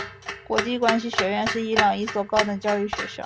国际关系学院是伊朗一所高等教育学校。